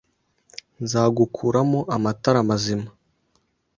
Nzagukuramo amatara mazima!